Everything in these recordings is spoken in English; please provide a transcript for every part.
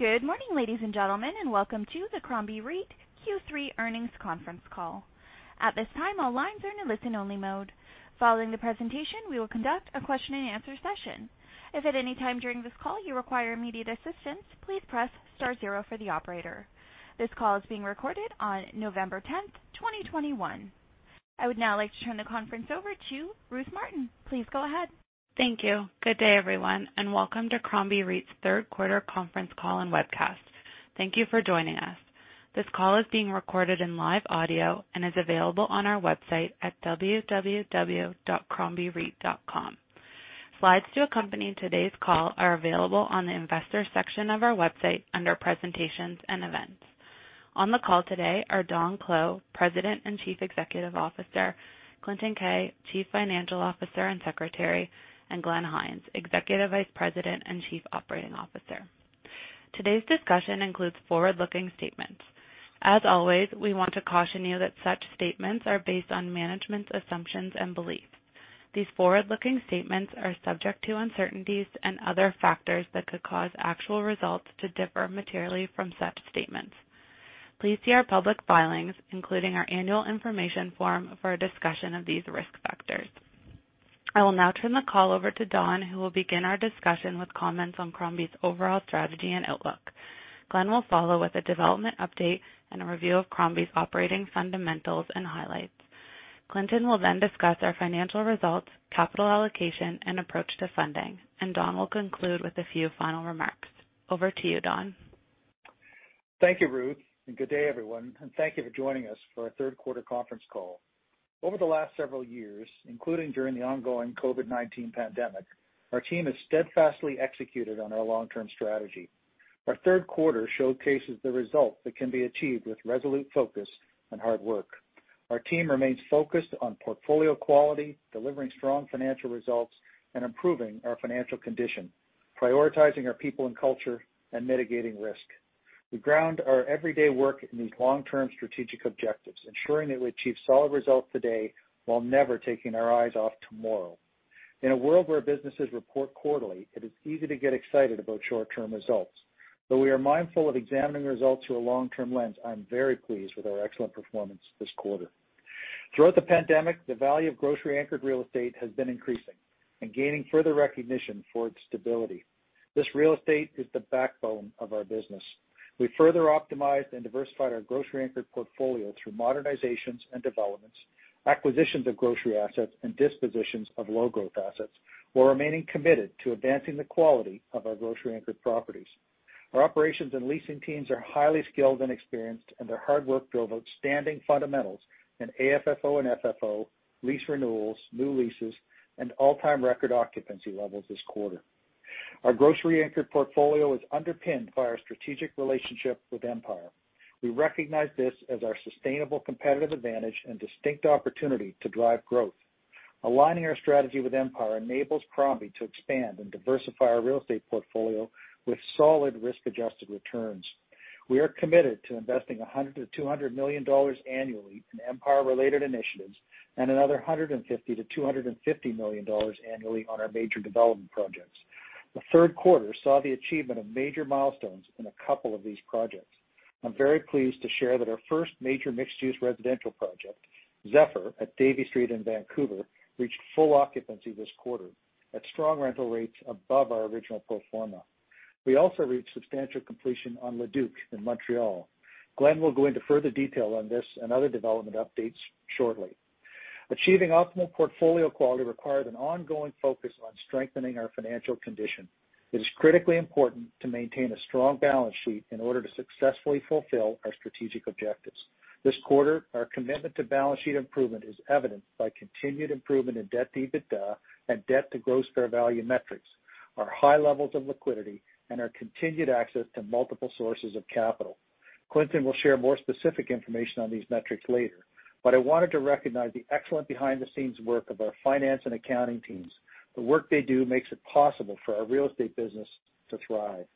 Good morning, ladies and gentlemen, and welcome to the Crombie REIT Q3 earnings conference call. At this time, all lines are in a listen-only mode. Following the presentation, we will conduct a question-and-answer session. If at any time during this call you require immediate assistance, please press star zero for the operator. This call is being recorded on November 10th, 2021. I would now like to turn the conference over to Ruth Martin. Please go ahead. Thank you. Good day, everyone, and welcome to Crombie REIT's Q3 conference call and webcast. Thank you for joining us. This call is being recorded in live audio and is available on our website at www.crombiereit.com. Slides to accompany today's call are available on the investor section of our website under Presentations and Events. On the call today are Don Clow, President and Chief Executive Officer, Clinton Keay, Chief Financial Officer and Secretary, and Glenn Hynes, Executive Vice President and Chief Operating Officer. Today's discussion includes forward-looking statements. As always, we want to caution you that such statements are based on management's assumptions and beliefs. These forward-looking statements are subject to uncertainties and other factors that could cause actual results to differ materially from such statements. Please see our public filings, including our annual information form, for a discussion of these risk factors. I will now turn the call over to Don, who will begin our discussion with comments on Crombie's overall strategy and outlook. Glenn will follow with a development update and a review of Crombie's operating fundamentals and highlights. Clinton will then discuss our financial results, capital allocation, and approach to funding, and Don will conclude with a few final remarks. Over to you, Don. Thank you, Ruth, and good day, everyone, and thank you for joining us for our Q3 conference call. Over the last several years, including during the ongoing COVID-19 pandemic, our team has steadfastly executed on our long-term strategy. Our Q3 showcases the results that can be achieved with resolute focus and hard work. Our team remains focused on portfolio quality, delivering strong financial results, and improving our financial condition, prioritizing our people and culture, and mitigating risk. We ground our everyday work in these long-term strategic objectives, ensuring that we achieve solid results today while never taking our eyes off tomorrow. In a world where businesses report quarterly, it is easy to get excited about short-term results. Though we are mindful of examining results through a long-term lens, I'm very pleased with our excellent performance this quarter. Throughout the pandemic, the value of grocery-anchored real estate has been increasing and gaining further recognition for its stability. This real estate is the backbone of our business. We further optimized and diversified our grocery-anchored portfolio through modernizations and developments, acquisitions of grocery assets, and dispositions of low-growth assets, while remaining committed to advancing the quality of our grocery-anchored properties. Our operations and leasing teams are highly skilled and experienced, and their hard work drove outstanding fundamentals in AFFO and FFO, lease renewals, new leases, and all-time record occupancy levels this quarter. Our grocery-anchored portfolio is underpinned by our strategic relationship with Empire. We recognize this as our sustainable competitive advantage and distinct opportunity to drive growth. Aligning our strategy with Empire enables Crombie to expand and diversify our real estate portfolio with solid risk-adjusted returns. We are committed to investing 100 million-200 million dollars annually in Empire-related initiatives and another 150 million-250 million dollars annually on our major development projects. The Q3 saw the achievement of major milestones in a couple of these projects. I'm very pleased to share that our first major mixed-use residential project, Zephyr at Davie Street in Vancouver, reached full occupancy this quarter at strong rental rates above our original pro forma. We also reached substantial completion on Le Duke in Montreal. Glenn will go into further detail on this and other development updates shortly. Achieving optimal portfolio quality required an ongoing focus on strengthening our financial condition. It is critically important to maintain a strong balance sheet in order to successfully fulfill our strategic objectives. This quarter, our commitment to balance sheet improvement is evidenced by continued improvement in debt-to-EBITDA and debt-to-gross fair value metrics, our high levels of liquidity, and our continued access to multiple sources of capital. Clinton will share more specific information on these metrics later, but I wanted to recognize the excellent behind-the-scenes work of our finance and accounting teams. The work they do makes it possible for our real estate business to thrive.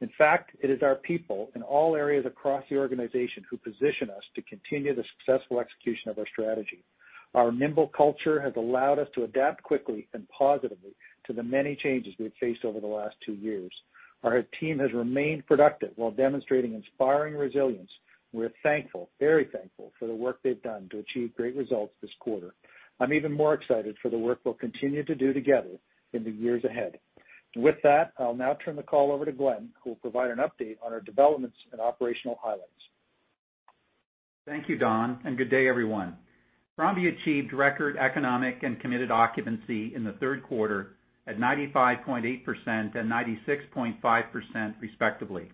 In fact, it is our people in all areas across the organization who position us to continue the successful execution of our strategy. Our nimble culture has allowed us to adapt quickly and positively to the many changes we have faced over the last two years. Our team has remained productive while demonstrating inspiring resilience. We're thankful, very thankful for the work they've done to achieve great results this quarter. I'm even more excited for the work we'll continue to do together in the years ahead. With that, I'll now turn the call over to Glenn, who will provide an update on our developments and operational highlights. Thank you, Don, and good day, everyone. Crombie achieved record economic and committed occupancy in the Q3 at 95.8% and 96.5% respectively.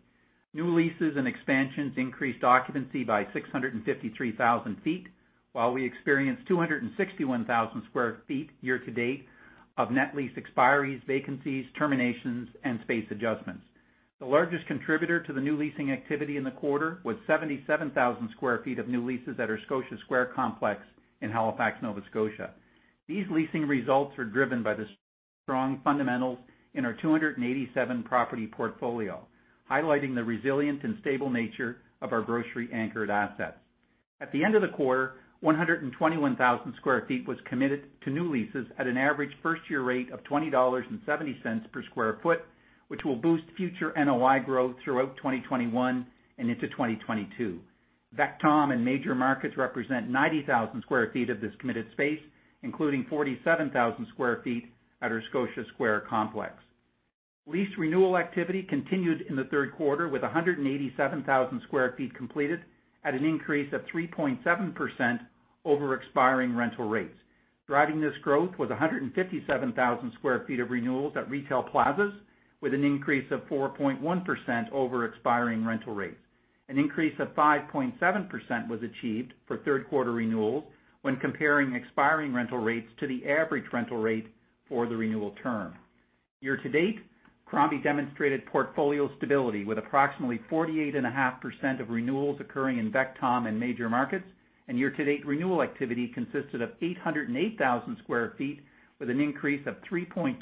New leases and expansions increased occupancy by 653,000 sq ft while we experienced 261,000 sq ft year to date of net lease expiries, vacancies, terminations, and space adjustments. The largest contributor to the new leasing activity in the quarter was 77,000 sq ft of new leases at our Scotia Square complex in Halifax, Nova Scotia. These leasing results are driven by the strong fundamentals in our 287-property portfolio, highlighting the resilient and stable nature of our grocery-anchored assets. At the end of the quarter, 121,000 sq ft was committed to new leases at an average first year rate of 20.70 dollars per sq ft, which will boost future NOI growth throughout 2021 and into 2022. VECTOM and major markets represent 90,000 sq ft of this committed space, including 47,000 sq ft at our Scotia Square complex. Lease renewal activity continued in the Q3 with 187,000 sq ft completed at an increase of 3.7% over expiring rental rates. Driving this growth was 157,000 sq ft of renewals at retail plazas with an increase of 4.1% over expiring rental rates. An increase of 5.7% was achieved for Q3 renewals when comparing expiring rental rates to the average rental rate for the renewal term. Year to date, Crombie demonstrated portfolio stability, with approximately 48.5% of renewals occurring in VECTOM in major markets. Year to date, renewal activity consisted of 808,000 sq ft, with an increase of 3.2%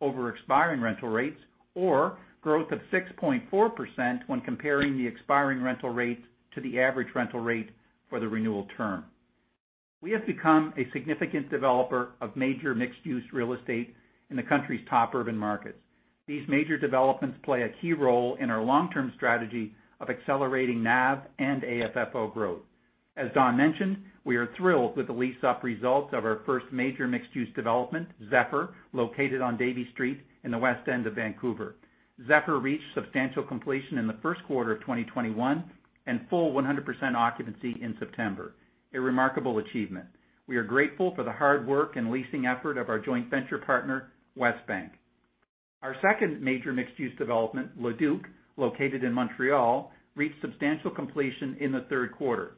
over expiring rental rates, or growth of 6.4% when comparing the expiring rental rates to the average rental rate for the renewal term. We have become a significant developer of major mixed-use real estate in the country's top urban markets. These major developments play a key role in our long-term strategy of accelerating NAV and AFFO growth. As Don mentioned, we are thrilled with the lease-up results of our first major mixed-use development, Zephyr, located on Davie Street in the West End of Vancouver. Zephyr reached substantial completion in the Q1 of 2021 and full 100% occupancy in September. A remarkable achievement. We are grateful for the hard work and leasing effort of our joint venture partner, Westbank. Our second major mixed-use development, Le Duke, located in Montreal, reached substantial completion in the Q3.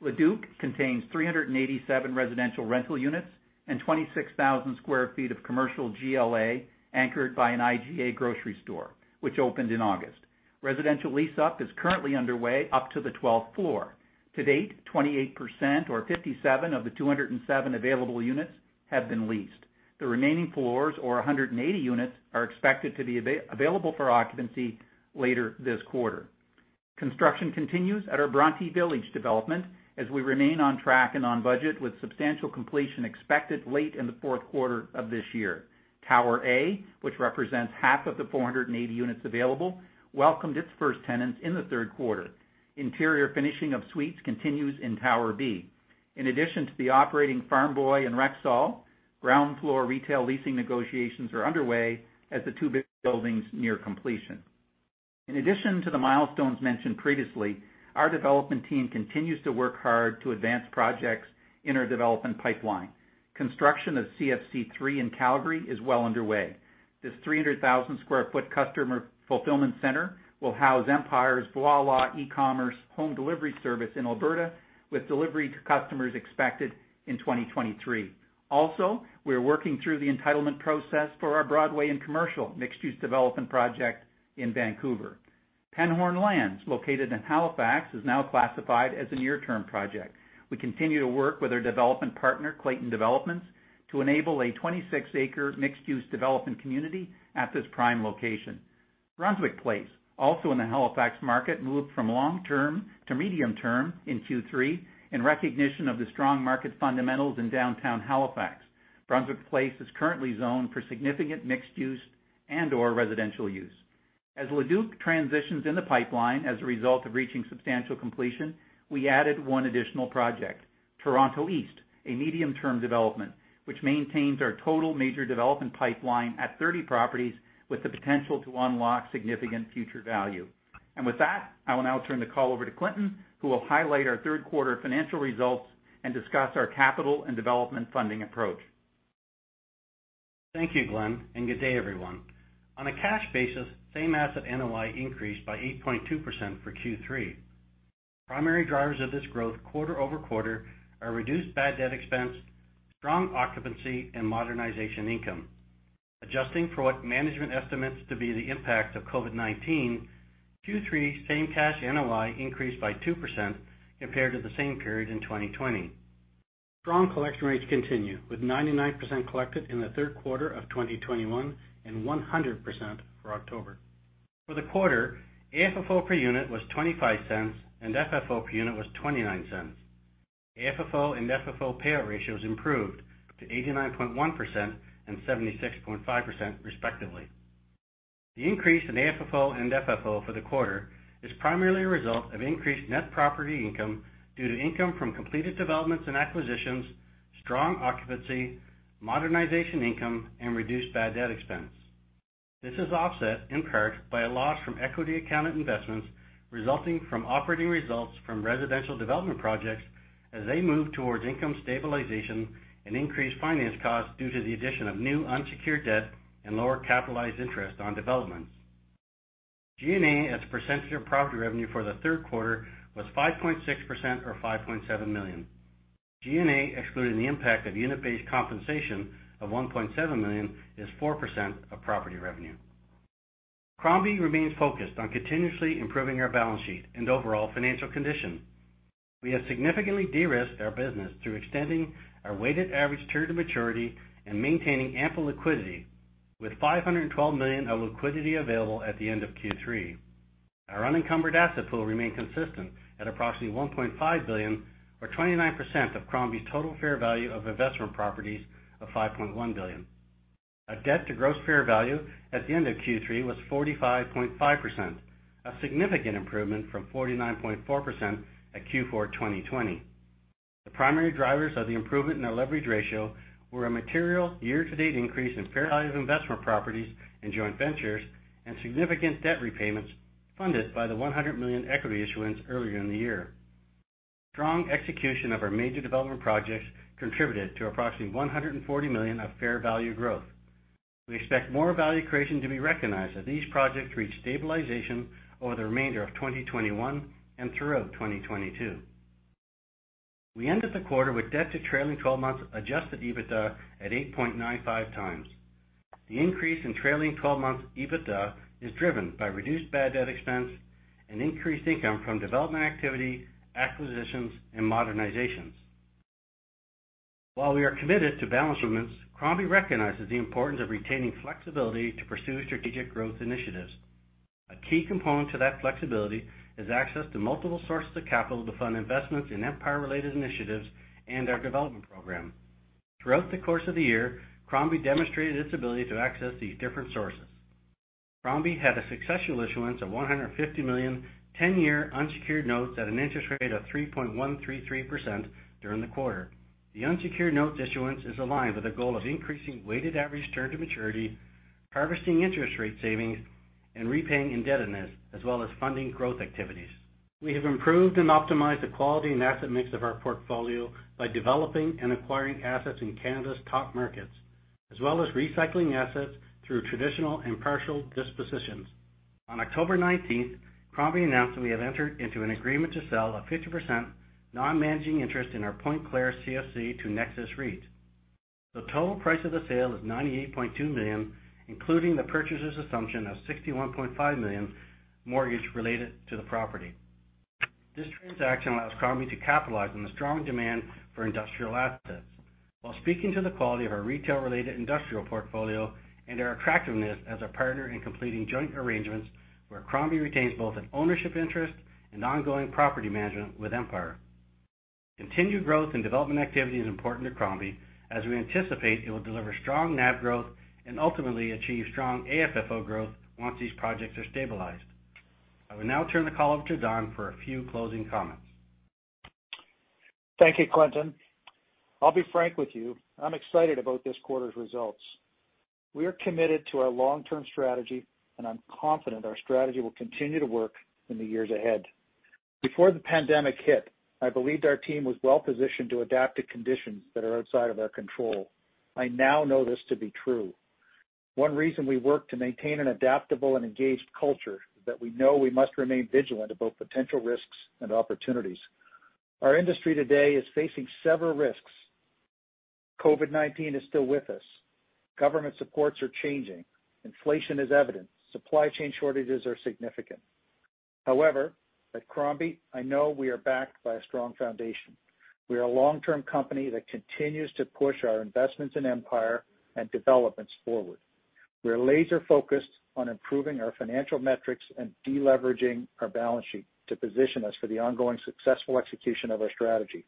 Le Duke contains 387 residential rental units and 26,000 sq ft of commercial GLA, anchored by an IGA grocery store, which opened in August. Residential lease-up is currently underway up to the 12th floor. To date, 28% or 57 of the 207 available units have been leased. The remaining floors, or 180 units, are expected to be available for occupancy later this quarter. Construction continues at our Bronte Village development as we remain on track and on budget, with substantial completion expected late in the Q4 of this year. Tower A, which represents half of the 480 units available, welcomed its first tenants in the Q3. Interior finishing of suites continues in Tower B. In addition to the operating Farm Boy and Rexall, ground floor retail leasing negotiations are underway as the two big buildings near completion. In addition to the milestones mentioned previously, our development team continues to work hard to advance projects in our development pipeline. Construction of CFC 3 in Calgary is well underway. This 300,000 sq ft customer fulfillment center will house Empire's Voilà e-commerce home delivery service in Alberta, with delivery to customers expected in 2023. Also, we are working through the entitlement process for our Broadway and Commercial mixed-use development project in Vancouver. Penhorn Lands, located in Halifax, is now classified as a near-term project. We continue to work with our development partner, Clayton Developments, to enable a 26-acre mixed-use development community at this prime location. Brunswick Place, also in the Halifax market, moved from long-term to medium-term in Q3 in recognition of the strong market fundamentals in downtown Halifax. Brunswick Place is currently zoned for significant mixed-use and/or residential use. As Le Duke transitions in the pipeline as a result of reaching substantial completion, we added one additional project, Toronto East, a medium-term development, which maintains our total major development pipeline at 30 properties with the potential to unlock significant future value. With that, I will now turn the call over to Clinton, who will highlight our Q3 financial results and discuss our capital and development funding approach. Thank you, Glenn, and good day, everyone. On a cash basis, same asset NOI increased by 8.2% for Q3. Primary drivers of this growth quarter-over-quarter are reduced bad debt expense, strong occupancy, and modernization income. Adjusting for what management estimates to be the impact of COVID-19, Q3 same cash NOI increased by 2% compared to the same period in 2020. Strong collection rates continue, with 99% collected in the Q3 of 2021 and 100% for October. For the quarter, AFFO per unit was 0.25 and FFO per unit was 0.29. AFFO and FFO payout ratios improved to 89.1% and 76.5% respectively. The increase in AFFO and FFO for the quarter is primarily a result of increased net property income due to income from completed developments and acquisitions, strong occupancy, modernization income, and reduced bad debt expense. This is offset in part by a loss from equity accounted investments resulting from operating results from residential development projects as they move towards income stabilization and increased finance costs due to the addition of new unsecured debt and lower capitalized interest on developments. G&A as a percentage of property revenue for the Q3 was 5.6% or 5.7 million. G&A, excluding the impact of unit-based compensation of 1.7 million, is 4% of property revenue. Crombie remains focused on continuously improving our balance sheet and overall financial condition. We have significantly de-risked our business through extending our weighted average term to maturity and maintaining ample liquidity. With 512 million of liquidity available at the end of Q3, our unencumbered asset pool remained consistent at approximately 1.5 billion or 29% of Crombie's total fair value of investment properties of 5.1 billion. Our debt to gross fair value at the end of Q3 was 45.5%, a significant improvement from 49.4% at Q4 2020. The primary drivers of the improvement in our leverage ratio were a material year-to-date increase in fair value of investment properties and joint ventures, and significant debt repayments funded by the 100 million equity issuance earlier in the year. Strong execution of our major development projects contributed to approximately 140 million of fair value growth. We expect more value creation to be recognized as these projects reach stabilization over the remainder of 2021 and throughout 2022. We ended the quarter with debt to trailing 12 months adjusted EBITDA at 8.95x. The increase in trailing 12 months EBITDA is driven by reduced bad debt expense and increased income from development activity, acquisitions, and modernizations. While we are committed to balance sheet management, Crombie recognizes the importance of retaining flexibility to pursue strategic growth initiatives. A key component to that flexibility is access to multiple sources of capital to fund investments in Empire-related initiatives and our development program. Throughout the course of the year, Crombie demonstrated its ability to access these different sources. Crombie had a successful issuance of 150 million ten-year unsecured notes at an interest rate of 3.133% during the quarter. The unsecured notes issuance is aligned with the goal of increasing weighted average term to maturity, harvesting interest rate savings, and repaying indebtedness, as well as funding growth activities. We have improved and optimized the quality and asset mix of our portfolio by developing and acquiring assets in Canada's top markets, as well as recycling assets through traditional and partial dispositions. On October 19, Crombie announced that we have entered into an agreement to sell a 50% non-managing interest in our Pointe-Claire CFC to Nexus REIT. The total price of the sale is 98.2 million, including the purchaser's assumption of 61.5 million mortgage related to the property. This transaction allows Crombie to capitalize on the strong demand for industrial assets while speaking to the quality of our retail-related industrial portfolio and our attractiveness as a partner in completing joint arrangements where Crombie retains both an ownership interest and ongoing property management with Empire. Continued growth in development activity is important to Crombie as we anticipate it will deliver strong NAV growth and ultimately achieve strong AFFO growth once these projects are stabilized. I will now turn the call over to Don for a few closing comments. Thank you, Clinton. I'll be frank with you. I'm excited about this quarter's results. We are committed to our long-term strategy, and I'm confident our strategy will continue to work in the years ahead. Before the pandemic hit, I believed our team was well-positioned to adapt to conditions that are outside of our control. I now know this to be true. One reason we work to maintain an adaptable and engaged culture is that we know we must remain vigilant about potential risks and opportunities. Our industry today is facing several risks. COVID-19 is still with us. Government supports are changing. Inflation is evident. Supply chain shortages are significant. However, at Crombie, I know we are backed by a strong foundation. We are a long-term company that continues to push our investments in Empire and developments forward. We are laser-focused on improving our financial metrics and de-leveraging our balance sheet to position us for the ongoing successful execution of our strategy.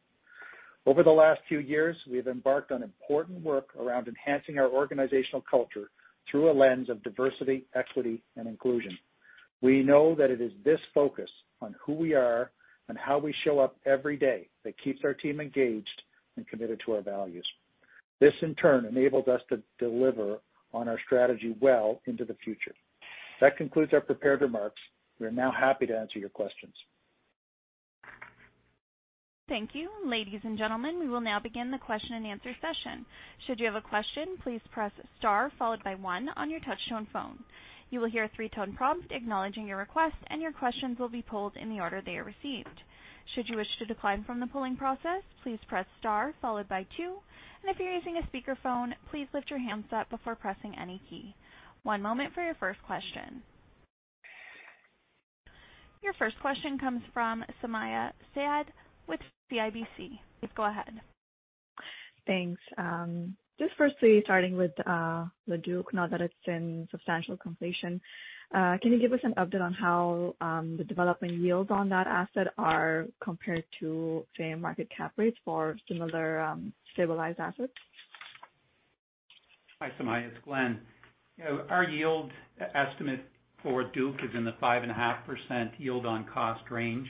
Over the last few years, we have embarked on important work around enhancing our organizational culture through a lens of diversity, equity, and inclusion. We know that it is this focus on who we are and how we show up every day that keeps our team engaged and committed to our values. This, in turn, enables us to deliver on our strategy well into the future. That concludes our prepared remarks. We are now happy to answer your questions. Thank you. Ladies and gentlemen, we will now begin the question-and-answer session. Should you have a question, please press star followed by one on your touch-tone phone. You will hear a three-tone prompt acknowledging your request, and your questions will be pulled in the order they are received. Should you wish to decline from the polling process, please press star followed by two. If you're using a speakerphone, please lift your handset before pressing any key. One moment for your first question. Your first question comes from Sumayya Syed with CIBC. Please go ahead. Thanks. Just firstly, starting with Le Duke, now that it's in substantial completion, can you give us an update on how the development yields on that asset are compared to say market cap rates for similar stabilized assets? Hi, Sumayya. It's Glenn. You know, our yield estimate for Le Duke is in the 5.5% yield on cost range.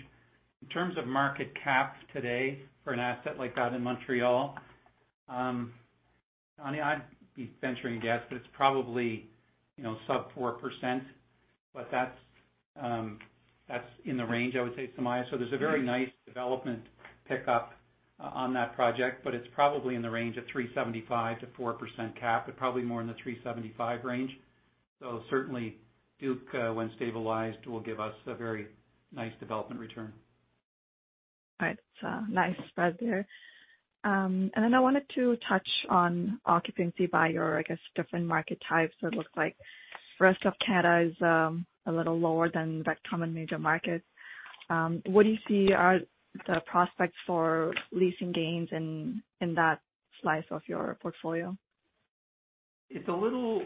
In terms of market cap today for an asset like that in Montreal, I mean, I'd be venturing a guess, but it's probably, you know, sub-4%. That's in the range, I would say, Sumayya. There's a very nice development pickup on that project, but it's probably in the range of 3.75%-4% cap, but probably more in the 3.75% range. Certainly Le Duke, when stabilized, will give us a very nice development return. All right. Nice spread there. I wanted to touch on occupancy by your, I guess, different market types. It looks like Rest of Canada is a little lower than VECTOM and major markets. What do you see are the prospects for leasing gains in that slice of your portfolio? It's a little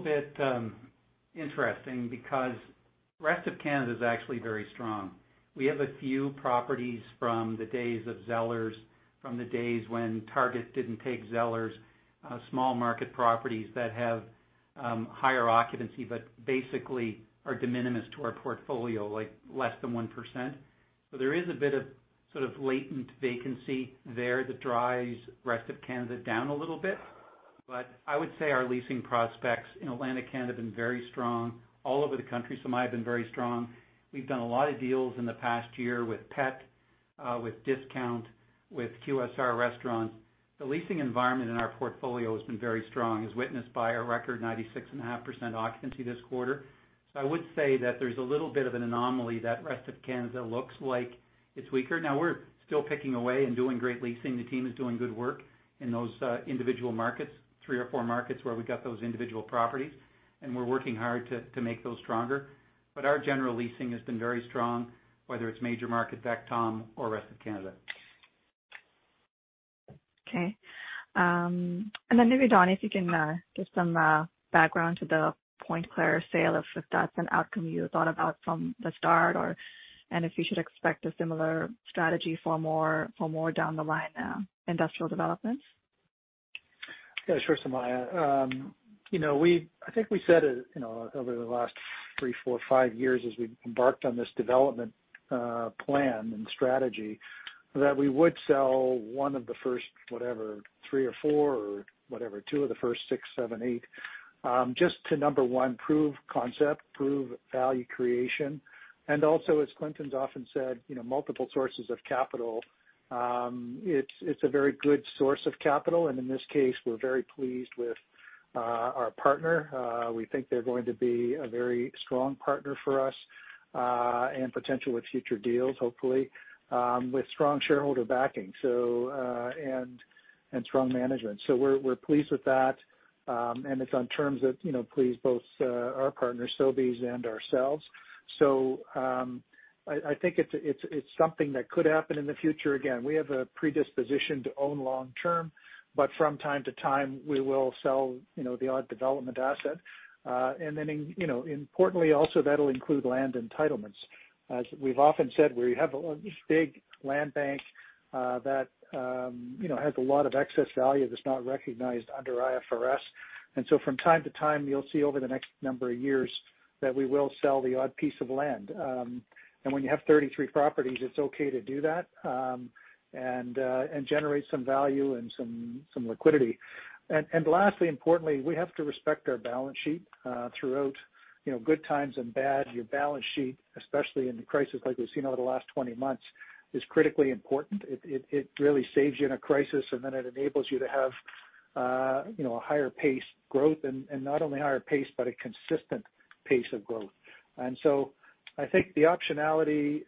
bit interesting because rest of Canada is actually very strong. We have a few properties from the days of Zellers, from the days when Target didn't take Zellers, small market properties that have higher occupancy, but basically are de minimis to our portfolio, like less than 1%. There is a bit of sort of latent vacancy there that drives rest of Canada down a little bit. I would say our leasing prospects in Atlantic Canada have been very strong all over the country, Sumayya, have been very strong. We've done a lot of deals in the past year with Pet, with Discount, with QSR Restaurants. The leasing environment in our portfolio has been very strong, as witnessed by our record 96.5% occupancy this quarter. I would say that there's a little bit of an anomaly that rest of Canada looks like it's weaker. Now, we're still picking away and doing great leasing. The team is doing good work in those individual markets, three or four markets where we've got those individual properties, and we're working hard to make those stronger. But our general leasing has been very strong, whether it's major market VECTOM or rest of Canada. Okay. Then maybe Don, if you can give some background to the Pointe-Claire sale, if that's an outcome you thought about from the start, or if you should expect a similar strategy for more down the line, industrial developments. Yeah, sure, Sumayya. You know, I think we said, you know, over the last three, four, five years as we embarked on this development plan and strategy that we would sell one of the first, whatever, three or four or whatever, two of the first six, seven, eight, just to number one, prove concept, prove value creation. Also, as Clinton's often said, you know, multiple sources of capital, it's a very good source of capital. In this case, we're very pleased with our partner. We think they're going to be a very strong partner for us, and potential with future deals, hopefully, with strong shareholder backing, so, and strong management. We're pleased with that. It's on terms that, you know, please both our partners, Sobeys and ourselves. I think it's something that could happen in the future. Again, we have a predisposition to own long term, but from time to time, we will sell, you know, the odd development asset. Then, you know, importantly, also, that'll include land entitlements. As we've often said, we have a big land bank that you know has a lot of excess value that's not recognized under IFRS. From time to time, you'll see over the next number of years that we will sell the odd piece of land. When you have 33 properties, it's okay to do that and generate some value and some liquidity. Lastly, importantly, we have to respect our balance sheet throughout, you know, good times and bad. Your balance sheet, especially in the crisis like we've seen over the last 20 months, is critically important. It really saves you in a crisis, and then it enables you to have, you know, a higher paced growth and not only higher pace, but a consistent pace of growth. I think the optionality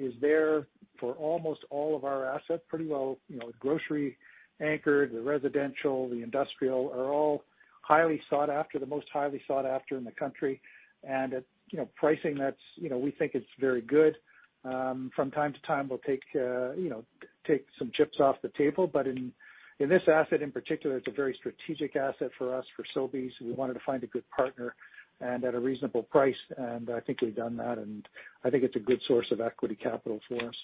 is there for almost all of our assets pretty well. You know, grocery anchored, the residential, the industrial are all highly sought after, the most highly sought after in the country. At, you know, pricing that's, you know, we think it's very good. From time to time, we'll take, you know, take some chips off the table. But in this asset in particular, it's a very strategic asset for us, for Sobeys. We wanted to find a good partner and at a reasonable price. I think we've done that, and I think it's a good source of equity capital for us.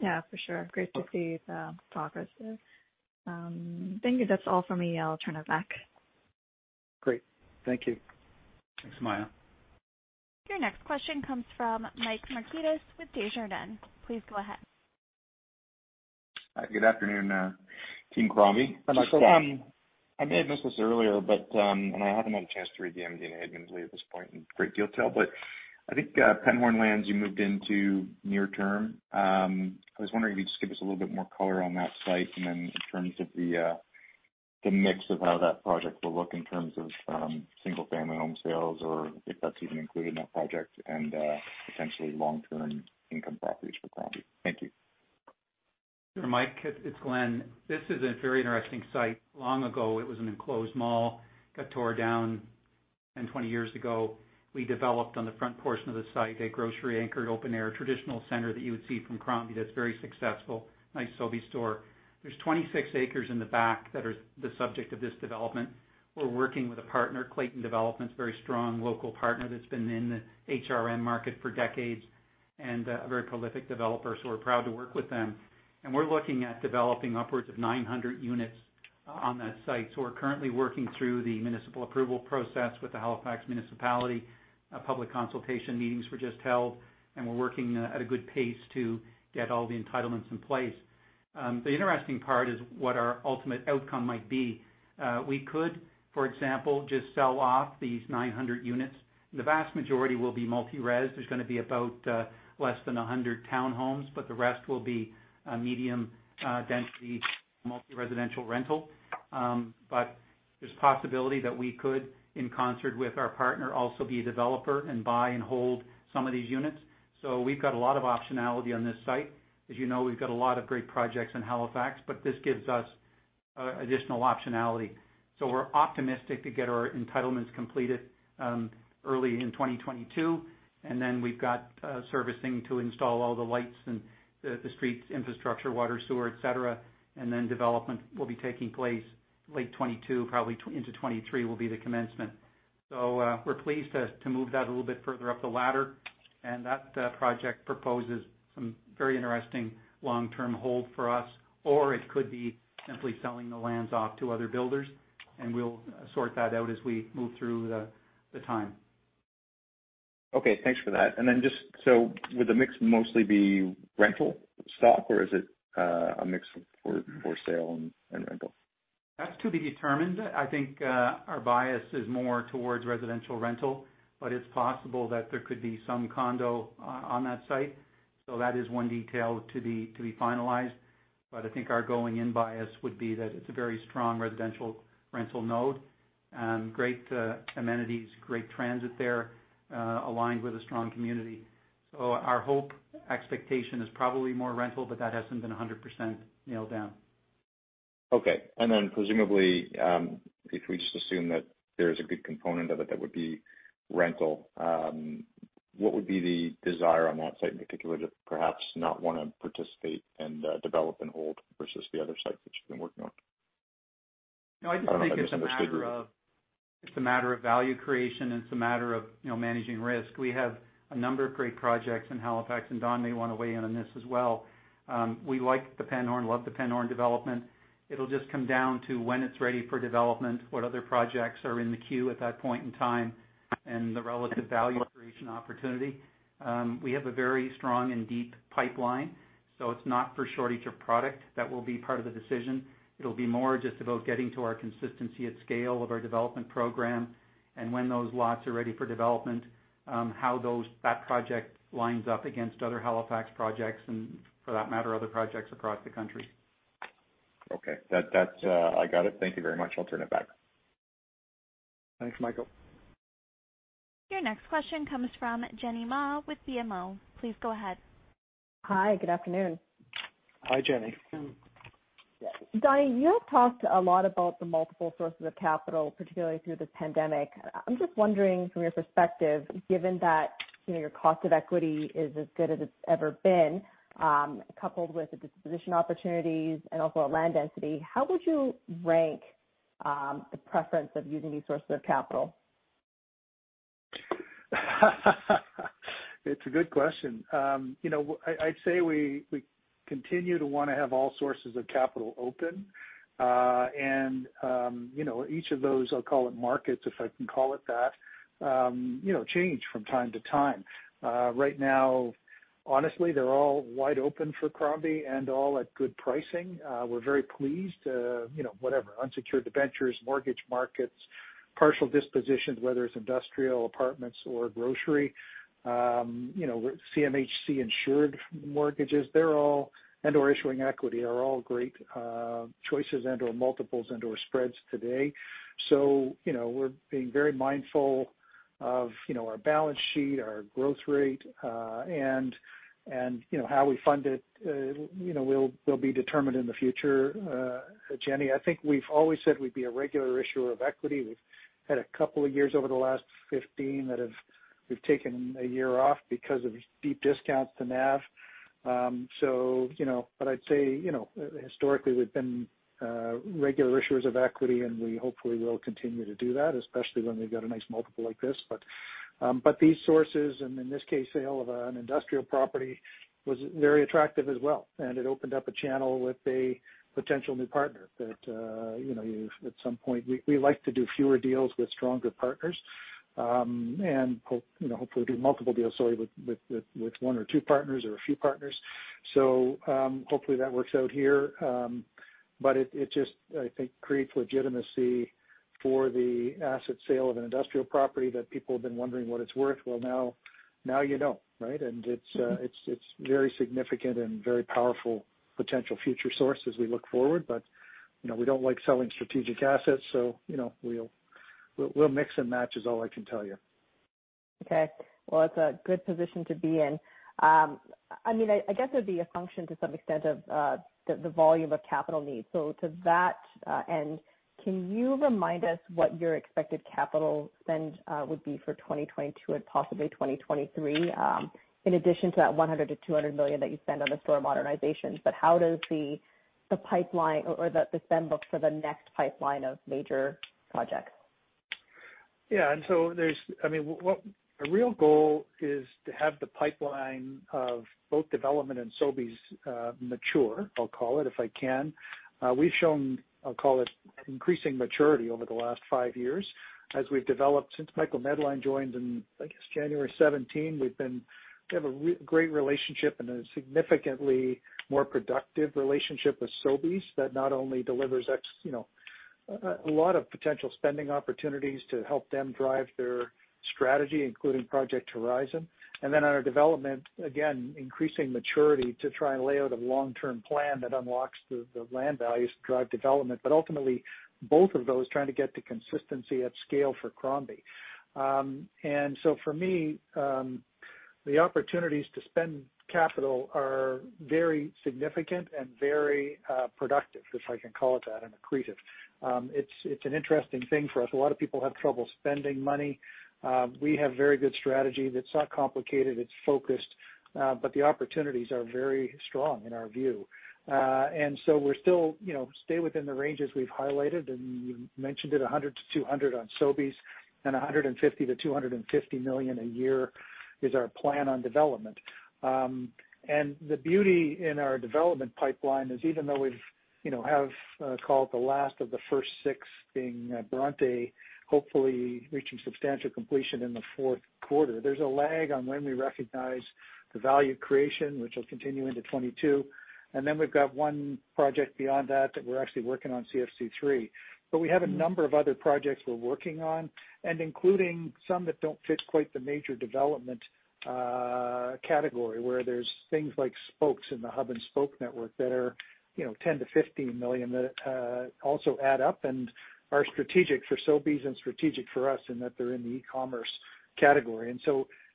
Yeah, for sure. Great to see the progress there. Thank you. That's all for me. I'll turn it back. Great. Thank you. Thanks, Sumayya. Your next question comes from Michael Markidis with Desjardins. Please go ahead. Hi, good afternoon, Team Crombie. Hi, Michael. I may have missed this earlier, but I haven't had a chance to read the MD&A admittedly at this point in great detail, but I think Penhorn Lands you moved into near term. I was wondering if you could just give us a little bit more color on that site and then in terms of the mix of how that project will look in terms of single-family home sales or if that's even included in that project and potentially long-term income properties for Crombie. Thank you. Sure, Mike, it's Glenn. This is a very interesting site. Long ago, it was an enclosed mall that got torn down. 20 years ago, we developed on the front portion of the site a grocery-anchored, open-air, traditional center that you would see from Crombie that's very successful. Nice Sobeys store. There's 26 acres in the back that are the subject of this development. We're working with a partner, Clayton Developments. It's a very strong local partner that's been in the HRM market for decades and a very prolific developer, so we're proud to work with them. We're looking at developing upwards of 900 units on that site. We're currently working through the municipal approval process with the Halifax Regional Municipality. Public consultation meetings were just held, and we're working at a good pace to get all the entitlements in place. The interesting part is what our ultimate outcome might be. We could, for example, just sell off these 900 units. The vast majority will be multi-res. There's gonna be about less than 100 townhomes, but the rest will be medium density multi-residential rental. There's possibility that we could, in concert with our partner, also be a developer and buy and hold some of these units. We've got a lot of optionality on this site. As you know, we've got a lot of great projects in Halifax, but this gives us additional optionality. We're optimistic to get our entitlements completed early in 2022, and then we've got servicing to install all the lights and the streets infrastructure, water, sewer, et cetera. Development will be taking place late 2022, probably into 2023 will be the commencement. We're pleased to move that a little bit further up the ladder, and that project proposes some very interesting long-term hold for us, or it could be simply selling the lands off to other builders, and we'll sort that out as we move through the time. Okay. Thanks for that. Would the mix mostly be rental stock, or is it a mix for sale and rental? That's to be determined. I think our bias is more towards residential rental, but it's possible that there could be some condo on that site. That is one detail to be finalized. I think our going-in bias would be that it's a very strong residential rental node and great amenities, great transit there, aligned with a strong community. Our hope expectation is probably more rental, but that hasn't been 100% nailed down. Okay. Presumably, if we just assume that there is a good component of it that would be rental, what would be the desire on that site in particular to perhaps not wanna participate in the develop and hold versus the other sites that you've been working on? No, I just think it's a matter of. I don't know if that makes so much sense. It's a matter of value creation, and it's a matter of, you know, managing risk. We have a number of great projects in Halifax, and Don may wanna weigh in on this as well. We like the Penhorn, love the Penhorn development. It'll just come down to when it's ready for development, what other projects are in the queue at that point in time, and the relative value creation opportunity. We have a very strong and deep pipeline, so it's not for shortage of product that will be part of the decision. It'll be more just about getting to our consistency at scale of our development program and when those lots are ready for development, how that project lines up against other Halifax projects and for that matter other projects across the country. Okay. That's. I got it. Thank you very much. I'll turn it back. Thanks, Michael. Your next question comes from Jenny Ma with BMO. Please go ahead. Hi. Good afternoon. Hi, Jenny. Don, you have talked a lot about the multiple sources of capital, particularly through this pandemic. I'm just wondering from your perspective, given that, you know, your cost of equity is as good as it's ever been, coupled with the disposition opportunities and also a land density, how would you rank the preference of using these sources of capital? It's a good question. You know, I'd say we continue to wanna have all sources of capital open. You know, each of those, I'll call it markets, if I can call it that, you know, change from time to time. Right now, honestly, they're all wide open for Crombie and all at good pricing. We're very pleased, you know, whatever, unsecured debentures, mortgage markets, partial dispositions, whether it's industrial apartments or grocery. You know, CMHC insured mortgages, they're all and/or issuing equity are all great choices and/or multiples and/or spreads today. You know, we're being very mindful of, you know, our balance sheet, our growth rate, and, you know, how we fund it, you know, will be determined in the future, Jenny. I think we've always said we'd be a regular issuer of equity. We've had a couple of years over the last 15, we've taken a year off because of deep discounts to NAV. I'd say you know historically we've been regular issuers of equity, and we hopefully will continue to do that, especially when we've got a nice multiple like this. These sources, and in this case sale of an industrial property was very attractive as well. It opened up a channel with a potential new partner that you know at some point we like to do fewer deals with stronger partners, and you know hopefully do multiple deals with one or two partners or a few partners. Hopefully that works out here. It just, I think, creates legitimacy for the asset sale of an industrial property that people have been wondering what it's worth. Well, now you know, right? It's very significant and very powerful potential future source as we look forward. You know, we don't like selling strategic assets, so, you know, we'll mix and match is all I can tell you. Okay. Well, it's a good position to be in. I mean, I guess it'd be a function to some extent of the volume of capital needs. To that end, can you remind us what your expected capital spend would be for 2022 and possibly 2023, in addition to that 100 million-200 million that you spend on the store modernizations, but how does the pipeline or the spend book for the next pipeline of major projects? Our real goal is to have the pipeline of both development and Sobeys mature, I'll call it if I can. We've shown increasing maturity over the last five years as we've developed. Since Michael Medline joined in, I guess, January 2017, we have a great relationship and a significantly more productive relationship with Sobeys that not only delivers you know a lot of potential spending opportunities to help them drive their strategy, including Project Horizon. On our development, again, increasing maturity to try and lay out a long-term plan that unlocks the land values to drive development, but ultimately both of those trying to get to consistency at scale for Crombie. For me, the opportunities to spend capital are very significant and very productive, if I can call it that, and accretive. It's an interesting thing for us. A lot of people have trouble spending money. We have very good strategy that's not complicated, it's focused, but the opportunities are very strong in our view. We're still, you know, stay within the ranges we've highlighted, and you mentioned it, 100 million-200 million on Sobeys and 150 million-250 million a year is our plan on development. The beauty in our development pipeline is even though we've, you know, called the last of the first six being Bronte, hopefully reaching substantial completion in the Q4, there's a lag on when we recognize the value creation, which will continue into 2022. We've got one project beyond that that we're actually working on CFC 3. We have a number of other projects we're working on and including some that don't fit quite the major development category, where there's things like spokes in the hub and spoke network that are, you know, 10 million-15 million that also add up and are strategic for Sobeys and strategic for us in that they're in the e-commerce category.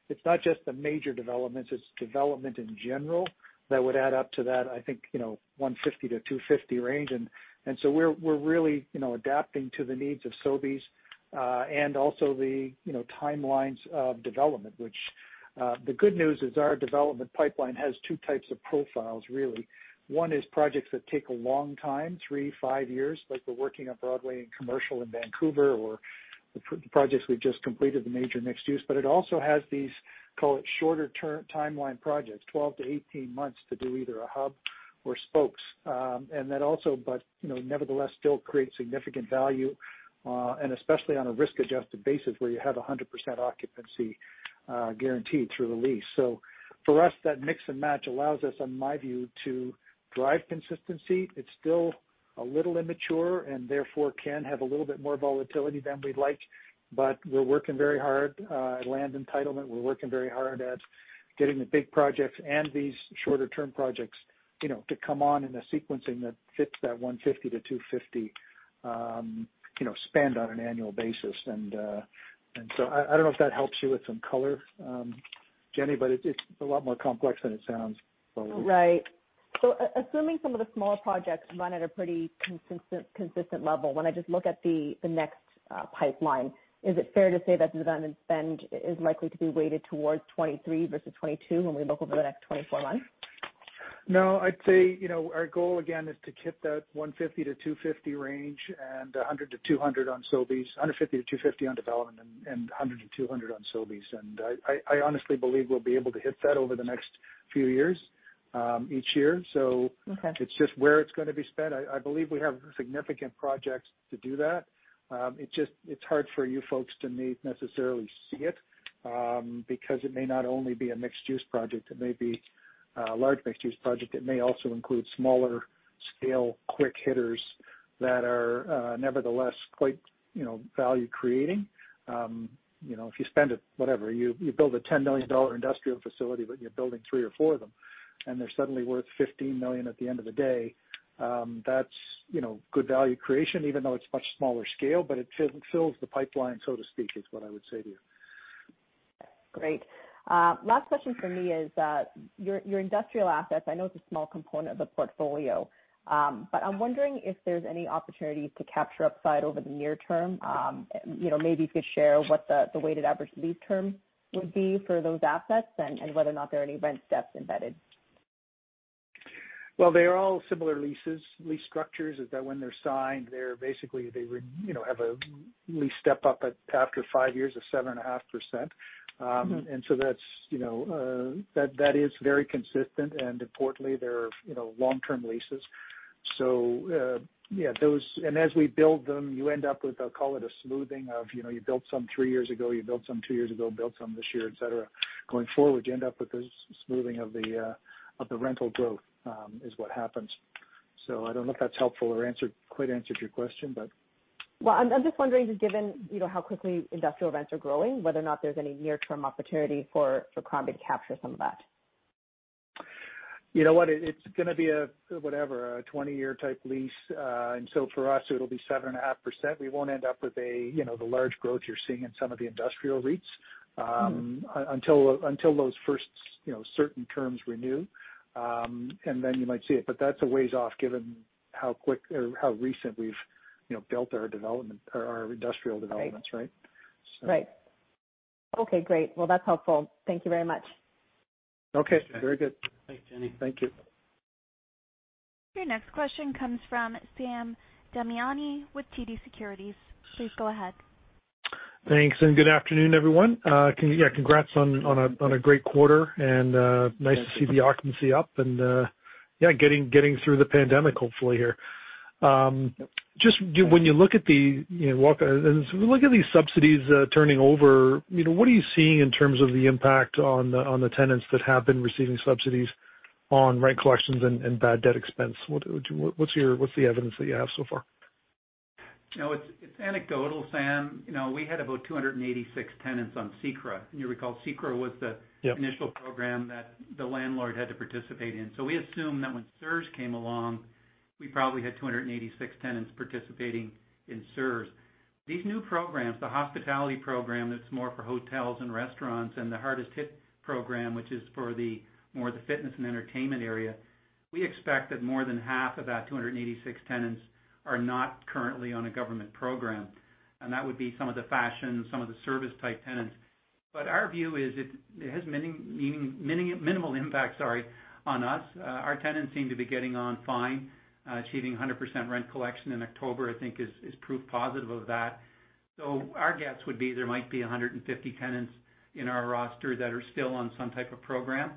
It's not just the major developments, it's development in general that would add up to that, I think, you know, 150-250 range. We're really, you know, adapting to the needs of Sobeys and also, you know, the timelines of development, which the good news is our development pipeline has two types of profiles really. One is projects that take a long time, 3 years-5 years, like we're working on Broadway and Commercial in Vancouver or the projects we've just completed, the major mixed use. It also has these, call it shorter timeline projects, 12 months-18 months to do either a hub or spokes. That also, you know, nevertheless still create significant value and especially on a risk-adjusted basis where you have 100% occupancy guaranteed through a lease. For us, that mix and match allows us, in my view, to drive consistency. It's still a little immature and therefore can have a little bit more volatility than we'd like. We're working very hard at land entitlement. We're working very hard at getting the big projects and these shorter-term projects, you know, to come on in a sequencing that fits that 150-250 spend on an annual basis. I don't know if that helps you with some color, Jenny, but it's a lot more complex than it sounds probably. Right. Assuming some of the smaller projects run at a pretty consistent level, when I just look at the next pipeline, is it fair to say that development spend is likely to be weighted towards 2023 versus 2022 when we look over the next 24 months? No. I'd say, you know, our goal again is to hit that 150-250 range and 100-200 on Sobeys, 150-250 on development and 100-200 on Sobeys. I honestly believe we'll be able to hit that over the next few years, each year. Okay. It's just where it's gonna be spent. I believe we have significant projects to do that. It's just, it's hard for you folks to necessarily see it, because it may not only be a mixed-use project, it may be a large mixed-use project. It may also include smaller scale quick hitters that are nevertheless quite, you know, value creating. You know, if you spend it, whatever, you build a 10 million dollar industrial facility, but you're building three or four of them, and they're suddenly worth 15 million at the end of the day, that's, you know, good value creation even though it's much smaller scale, but it fills the pipeline, so to speak, is what I would say to you. Great. Last question from me is your industrial assets. I know it's a small component of the portfolio, but I'm wondering if there's any opportunity to capture upside over the near term. You know, maybe if you could share what the weighted average lease term would be for those assets and whether or not there are any rent steps embedded. Well, they are all similar leases, lease structures. Is that when they're signed, they're basically you know have a lease step up after five years of 7.5%. That's you know that is very consistent. Importantly, they're you know long-term leases. Yeah, those. As we build them, you end up with, I'll call it a smoothing of you know you built some three years ago, you built some two years ago, built some this year, et cetera. Going forward, you end up with a smoothing of the rental growth is what happens. I don't know if that's helpful or quite answered your question, but. Well, I'm just wondering just given, you know, how quickly industrial rents are growing, whether or not there's any near-term opportunity for Crombie to capture some of that. You know what? It's gonna be a whatever, a 20-year type lease. For us, it'll be 7.5%. We won't end up with you know, the large growth you're seeing in some of the industrial REITs. Until those first, you know, certain terms renew, and then you might see it. That's a ways off given how quick or how recent we've, you know, built our development or our industrial developments. Right. Right? Right. Okay, great. Well, that's helpful. Thank you very much. Okay. Very good. Thanks, Jenny. Thank you. Your next question comes from Sam Damiani with TD Securities. Please go ahead. Thanks, and good afternoon, everyone. Yeah, congrats on a great quarter and nice to see the occupancy up and getting through the pandemic hopefully here. Just when you look at the, you know, as we look at these subsidies turning over, you know, what are you seeing in terms of the impact on the tenants that have been receiving subsidies on rent collections and bad debt expense? What's the evidence that you have so far? You know, it's anecdotal, Sam. You know, we had about 286 tenants on CECRA. You recall CECRA was the- Yep. Initial program that the landlord had to participate in. We assume that when CERS came along, we probably had 286 tenants participating in CERS. These new programs, the hospitality program that's more for hotels and restaurants, and the hardest hit program, which is for the more the fitness and entertainment area. We expect that more than half of that 286 tenants are not currently on a government program, and that would be some of the fashion, some of the service type tenants. But our view is it has minimal impact, sorry, on us. Our tenants seem to be getting on fine, achieving 100% rent collection in October. I think is proof positive of that. Our guess would be there might be 150 tenants in our roster that are still on some type of program.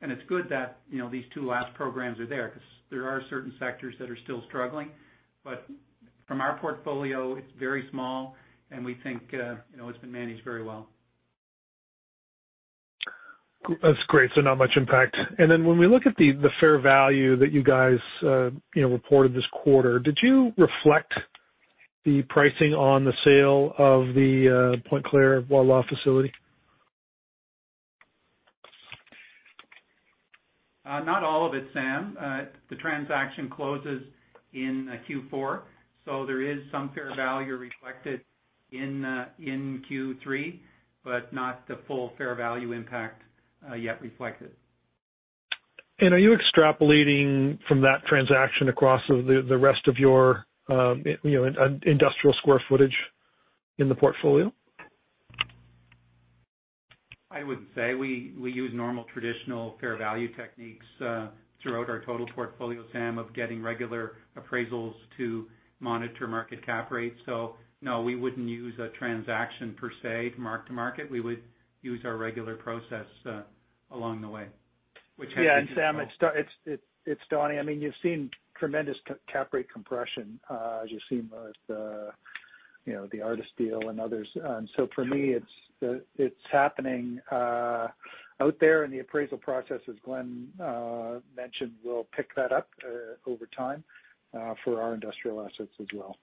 It's good that, you know, these two last programs are there because there are certain sectors that are still struggling. From our portfolio, it's very small, and we think, you know, it's been managed very well. That's great. Not much impact. When we look at the fair value that you guys, you know, reported this quarter, did you reflect the pricing on the sale of the Pointe-Claire Voilà facility? Not all of it, Sam. The transaction closes in Q4, so there is some fair value reflected in Q3, but not the full fair value impact yet reflected. Are you extrapolating from that transaction across the rest of your, you know, industrial square footage in the portfolio? I wouldn't say. We use normal traditional fair value techniques throughout our total portfolio, Sam, of getting regular appraisals to monitor market cap rates. So no, we wouldn't use a transaction per se to mark to market. We would use our regular process along the way, which has been slow. Yeah. Sam, it's daunting. I mean, you've seen tremendous cap rate compression, as you've seen with, you know, the Artis deal and others. For me, it's happening out there in the appraisal process, as Glenn mentioned. We'll pick that up over time for our industrial assets as well.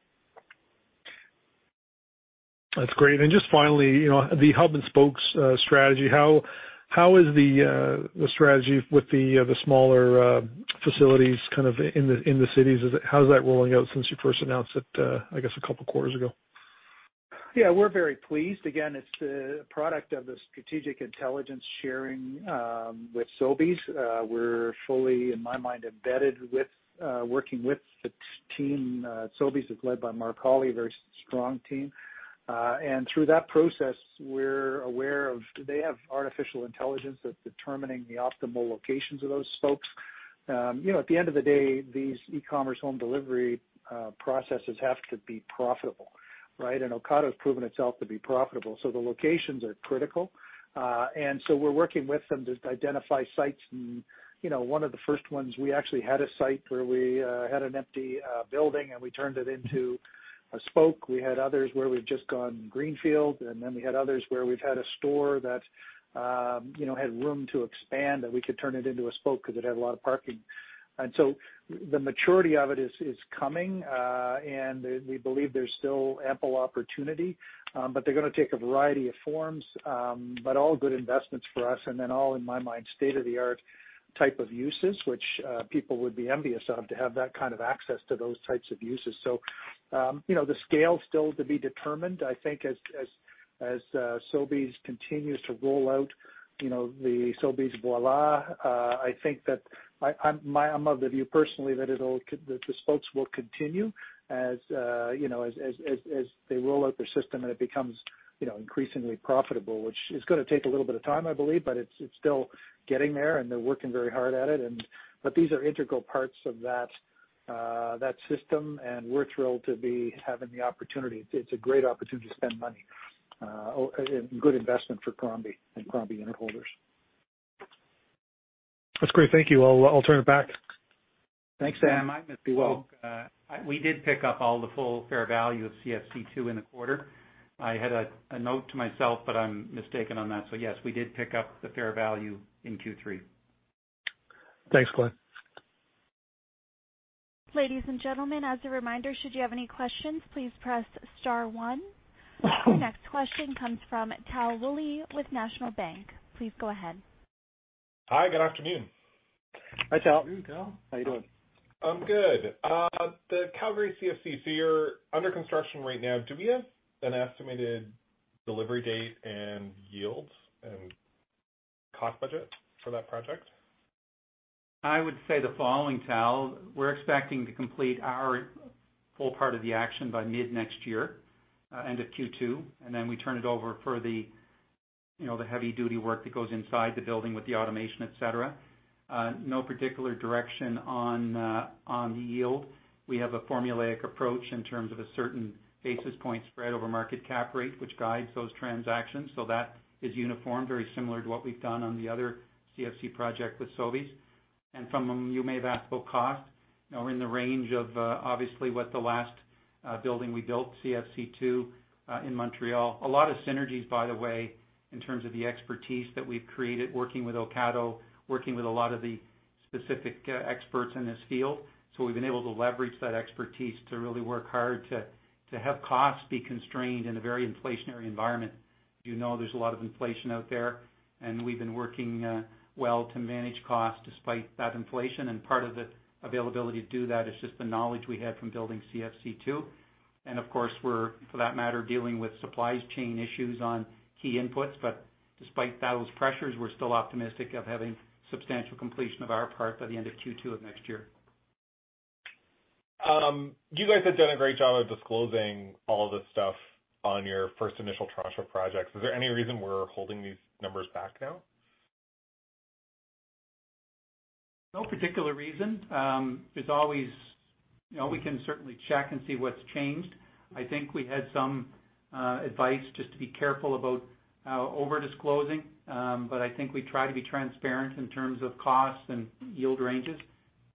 That's great. Just finally, you know, the hub and spokes strategy, how is the strategy with the smaller facilities kind of in the cities? How is that rolling out since you first announced it, I guess a couple quarters ago? Yeah, we're very pleased. Again, it's the product of the strategic intelligence sharing with Sobeys. We're fully, in my mind, embedded with working with the team at Sobeys, is led by Mark Holly, a very strong team. Through that process, we're aware of. They have artificial intelligence that's determining the optimal locations of those spokes. You know, at the end of the day, these e-commerce home delivery processes have to be profitable, right? Ocado has proven itself to be profitable, so the locations are critical. We're working with them to identify sites. You know, one of the first ones, we actually had a site where we had an empty building, and we turned it into a spoke. We had others where we've just gone greenfield, and then we had others where we've had a store that, you know, had room to expand, and we could turn it into a spoke because it had a lot of parking. The maturity of it is coming, and we believe there's still ample opportunity. They're gonna take a variety of forms, but all good investments for us, and then all, in my mind, state-of-the-art type of uses, which people would be envious of to have that kind of access to those types of uses. You know, the scale is still to be determined. I think as Sobeys continues to roll out, you know, the Sobeys Voilà, I think that I'm of the view personally that the spokes will continue as, you know, as they roll out their system and it becomes, you know, increasingly profitable, which is gonna take a little bit of time, I believe, but it's still getting there and they're working very hard at it. These are integral parts of that system, and we're thrilled to be having the opportunity. It's a great opportunity to spend money and good investment for Crombie and Crombie unitholders. That's great. Thank you. I'll turn it back. Thanks, Sam. I misspoke. We did pick up all the full fair value of CFC 2 in the quarter. I had a note to myself, but I'm mistaken on that. Yes, we did pick up the fair value in Q3. Thanks, Glenn. Ladies and gentlemen, as a reminder, should you have any questions, please press star one. Your next question comes from Tal Woolley with National Bank. Please go ahead. Hi. Good afternoon. Hi, Tal. Good afternoon, Tal. How are you doing? I'm good. The Calgary CFC, you're under construction right now. Do we have an estimated delivery date and yields and cost budget for that project? I would say the following, Tal. We're expecting to complete our full part of the action by mid next year, end of Q2, and then we turn it over for the, you know, the heavy duty work that goes inside the building with the automation, et cetera. No particular direction on the yield. We have a formulaic approach in terms of a certain basis point spread over market cap rate, which guides those transactions. So that is uniform, very similar to what we've done on the other CFC project with Sobeys. From what you may have asked about cost, we're in the range of, obviously what the last building we built, CFC 2, in Montreal. A lot of synergies, by the way, in terms of the expertise that we've created working with Ocado, working with a lot of the specific experts in this field. We've been able to leverage that expertise to really work hard to have costs be constrained in a very inflationary environment. You know, there's a lot of inflation out there, and we've been working well to manage costs despite that inflation. Part of the availability to do that is just the knowledge we had from building CFC 2. Of course we're, for that matter, dealing with supply chain issues on key inputs. Despite those pressures, we're still optimistic of having substantial completion of our part by the end of Q2 of next year. You guys have done a great job of disclosing all the stuff on your first initial Toronto projects. Is there any reason we're holding these numbers back now? No particular reason. There's always you know, we can certainly check and see what's changed. I think we had some advice just to be careful about over-disclosing. I think we try to be transparent in terms of costs and yield ranges.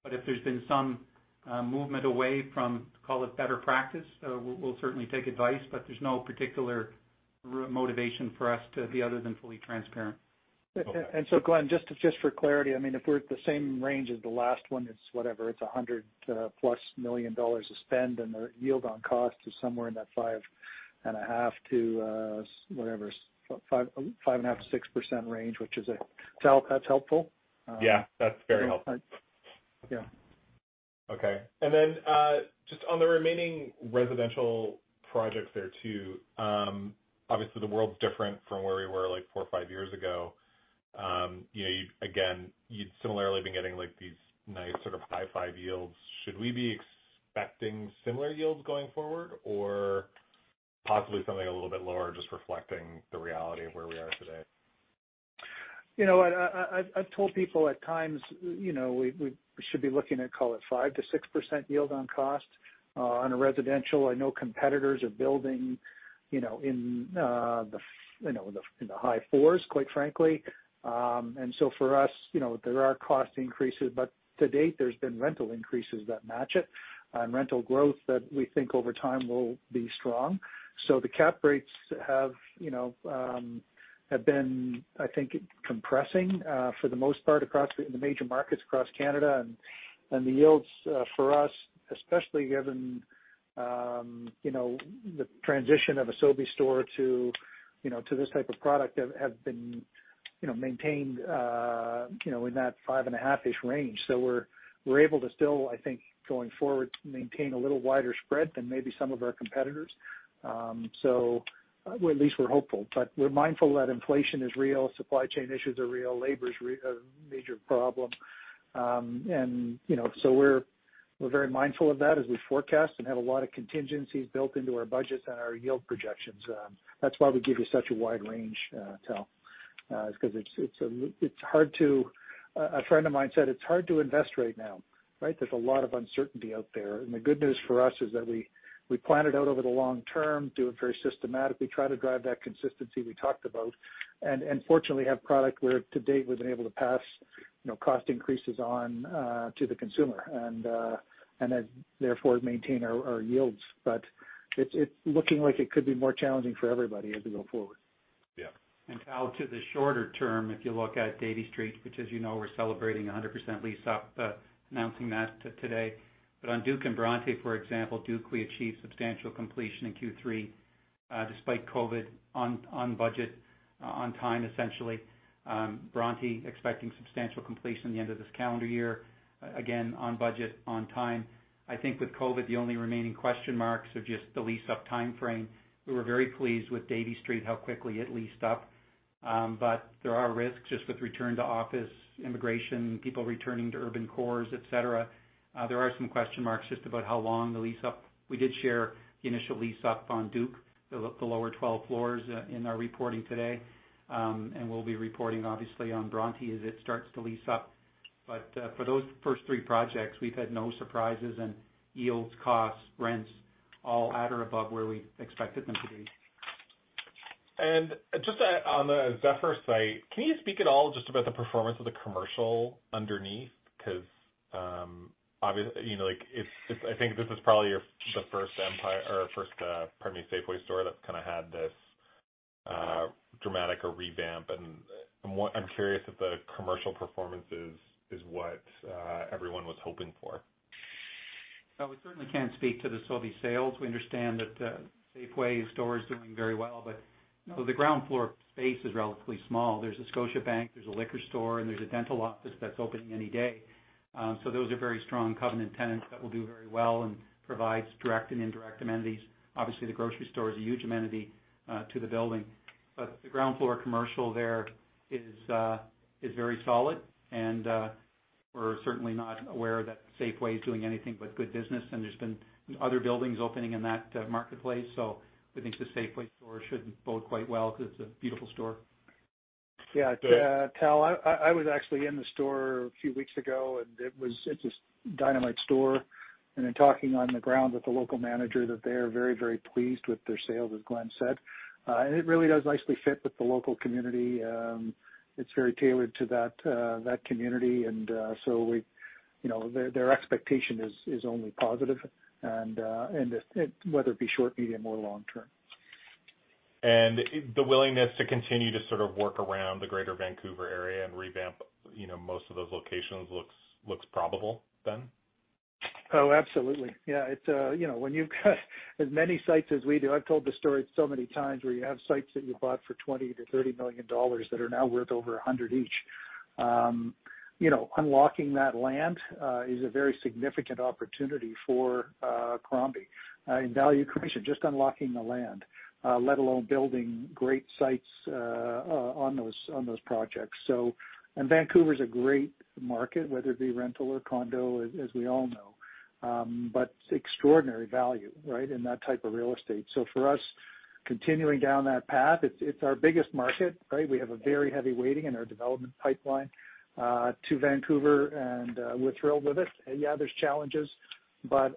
If there's been some movement away from, call it better practice, we'll certainly take advice, but there's no particular motivation for us to be other than fully transparent. Okay. Glenn, just for clarity, I mean, if we're at the same range as the last one, it's whatever, it's 100+ million dollars to spend, and the yield on cost is somewhere in that 5.5%-6% range, which is a... Tal, that's helpful? Yeah, that's very helpful. Yeah. Okay. Just on the remaining residential projects there too, obviously the world's different from where we were like four or five years ago. You know, again, you'd similarly been getting like these nice sort of high five yields. Should we be expecting similar yields going forward or possibly something a little bit lower just reflecting the reality of where we are today? You know what? I've told people at times, you know, we should be looking at, call it 5%-6% yield on cost on a residential. I know competitors are building, you know, in the high fours, quite frankly. For us, you know, there are cost increases, but to date there's been rental increases that match it. Rental growth that we think over time will be strong. The cap rates have been, I think, compressing for the most part across the major markets across Canada. The yields for us, especially given you know the transition of a Sobeys store to you know to this type of product have been you know maintained you know in that 5.5-ish range. We're able to still I think going forward maintain a little wider spread than maybe some of our competitors. Or at least we're hopeful. We're mindful that inflation is real, supply chain issues are real, labor is a major problem. We're very mindful of that as we forecast and have a lot of contingencies built into our budgets and our yield projections. That's why we give you such a wide range, Tal, is 'cause it's hard to. A friend of mine said it's hard to invest right now, right? There's a lot of uncertainty out there. The good news for us is that we plan it out over the long term, do it very systematically, try to drive that consistency we talked about. Fortunately have product where to date we've been able to pass, you know, cost increases on to the consumer and then therefore maintain our yields. It's looking like it could be more challenging for everybody as we go forward. Yeah. Tal, to the shorter term, if you look at Davie Street, which as you know we're celebrating 100% leased up, announcing that today. On Le Duke and Bronte, for example, Le Duke we achieved substantial completion in Q3, despite COVID on budget, on time essentially. Bronte expecting substantial completion at the end of this calendar year, again, on budget, on time. I think with COVID the only remaining question marks are just the lease-up timeframe. We were very pleased with Davie Street, how quickly it leased up. There are risks just with return to office, immigration, people returning to urban cores, et cetera. There are some question marks just about how long the lease up. We did share the initial lease up on Le Duke, the lower 12 floors in our reporting today. We'll be reporting obviously on Bronte as it starts to lease up. For those first three projects, we've had no surprises in yields, costs, rents, all at or above where we expected them to be. Just on the Zephyr site, can you speak at all just about the performance of the commercial underneath? Because you know, like it's I think this is probably your, the first Empire or first, pardon me, Safeway store that's kind of had this dramatic a revamp and I'm curious if the commercial performance is what everyone was hoping for. Well, we certainly can't speak to the Sobeys sales. We understand that Safeway store is doing very well, but the ground floor space is relatively small. There's a Scotiabank, there's a liquor store, and there's a dental office that's opening any day. Those are very strong covenant tenants that will do very well and provides direct and indirect amenities. Obviously, the grocery store is a huge amenity to the building. The ground floor commercial there is very solid and we're certainly not aware that Safeway is doing anything but good business, and there's been other buildings opening in that marketplace. We think the Safeway store should bode quite well because it's a beautiful store. Yeah. Tal, I was actually in the store a few weeks ago and it's a dynamite store. In talking on the ground with the local manager that they are very, very pleased with their sales, as Glenn said. It really does nicely fit with the local community. It's very tailored to that community. You know, their expectation is only positive and it whether it be short, medium, or long term. The willingness to continue to sort of work around the greater Vancouver area and revamp, you know, most of those locations looks probable then? Oh, absolutely. Yeah, it's, you know, when you've got as many sites as we do, I've told this story so many times where you have sites that you bought for 20 million-30 million dollars that are now worth over 100 million each. You know, unlocking that land is a very significant opportunity for Crombie in value creation, just unlocking the land, let alone building great sites on those projects. Vancouver's a great market, whether it be rental or condo, as we all know. But extraordinary value, right, in that type of real estate. So for us, continuing down that path, it's our biggest market, right? We have a very heavy weighting in our development pipeline to Vancouver, and we're thrilled with it. Yeah, there's challenges, but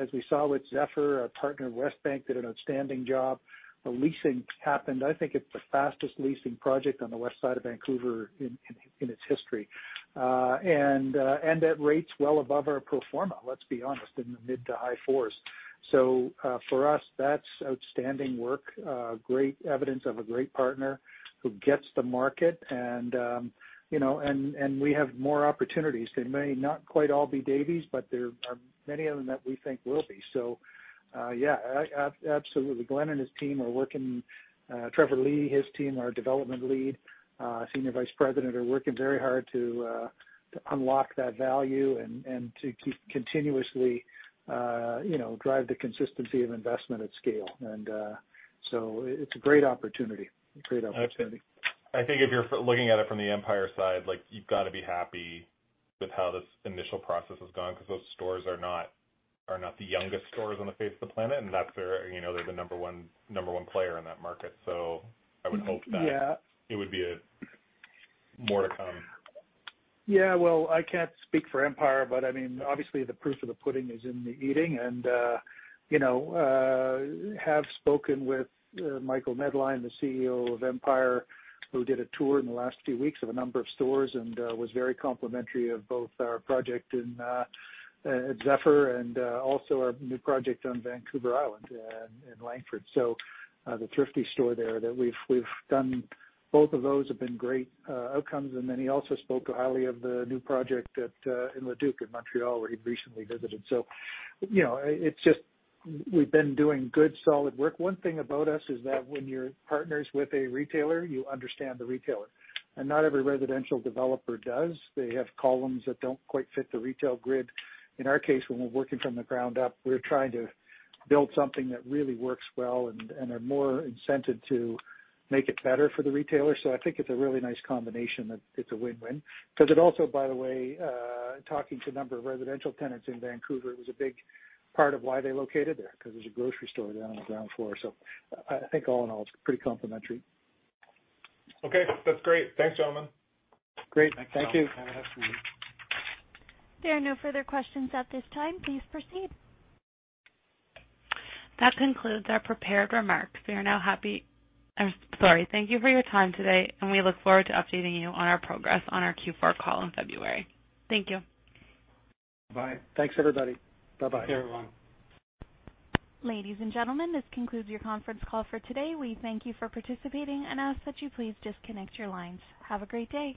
as we saw with Zephyr, our partner, Westbank, did an outstanding job. The leasing happened, I think it's the fastest leasing project on the west side of Vancouver in its history. And at rates well above our pro forma, let's be honest, in the mid to high fours. For us that's outstanding work, great evidence of a great partner who gets the market and, you know, we have more opportunities that may not quite all be [inaudible] but many of what we think will be. Yeah, I absolutely. Glenn and his team are working, Trevor Lee, his team, our development lead, Senior Vice President, are working very hard to unlock that value and to keep continuously, you know, drive the consistency of investment at scale. It's a great opportunity. I think if you're looking at it from the Empire side, like you've got to be happy with how this initial process has gone because those stores are not the youngest stores on the face of the planet, and that's very, you know, they're the number one player in that market. I would hope that- Yeah. It would be more to come. Yeah. Well, I can't speak for Empire, but I mean, obviously the proof of the pudding is in the eating and, you know, I have spoken with Michael Medline, the CEO of Empire, who did a tour in the last few weeks of a number of stores and was very complimentary of both our project in Zephyr and also our new project on Vancouver Island in Langford. The Thrifty store there that we've done. Both of those have been great outcomes. Then he also spoke highly of the new project at Le Duke in Montreal, where he recently visited. You know, it's just we've been doing good, solid work. One thing about us is that when you're partners with a retailer, you understand the retailer. Not every residential developer does. They have columns that don't quite fit the retail grid. In our case, when we're working from the ground up, we're trying to build something that really works well and are more incented to make it better for the retailer. I think it's a really nice combination that it's a win-win. Because it also, by the way, talking to a number of residential tenants in Vancouver, it was a big part of why they located there, because there's a grocery store down on the ground floor. I think all in all, it's pretty complementary. Okay, that's great. Thanks, gentlemen. Great. Thank you. Thanks, Tal. Have a nice evening. There are no further questions at this time. Please proceed. That concludes our prepared remarks. Thank you for your time today, and we look forward to updating you on our progress on our Q4 call in February. Thank you. Bye. Thanks, everybody. Bye-bye. See you, everyone. Ladies and gentlemen, this concludes your conference call for today. We thank you for participating and ask that you please disconnect your lines. Have a great day.